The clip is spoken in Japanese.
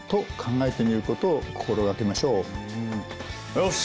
よし。